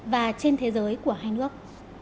và trên thế giới của hai nước